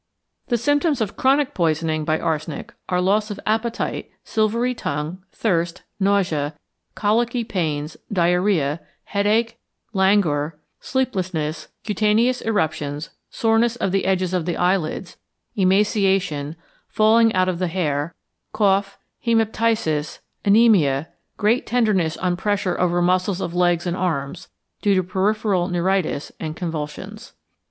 The symptoms of chronic poisoning by arsenic are loss of appetite, silvery tongue, thirst, nausea, colicky pains, diarrhoea, headache, languor, sleeplessness, cutaneous eruptions, soreness of the edges of the eyelids, emaciation, falling out of the hair, cough, hæmoptysis, anæmia, great tenderness on pressure over muscles of legs and arms, due to peripheral neuritis, and convulsions.